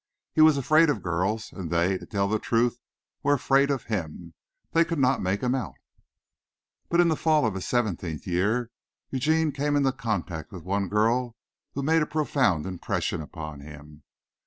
He was afraid of girls, and they, to tell the truth, were afraid of him. They could not make him out. But in the fall of his seventeenth year Eugene came into contact with one girl who made a profound impression on him.